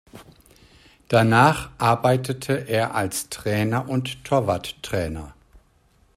Danach arbeitete er als Trainer und Torwarttrainer.